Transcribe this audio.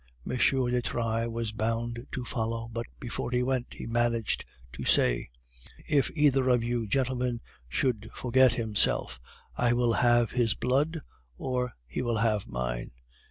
M. de Trailles was bound to follow, but before he went he managed to say: "'If either of you gentlemen should forget himself, I will have his blood, or he will have mine.